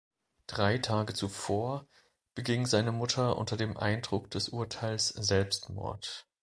Drei Tage zuvor beging seine Mutter unter dem Eindruck des Urteils Selbstmord.